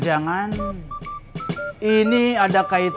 aku tidak tahu eh